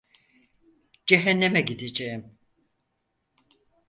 Cehenneme gideceğim.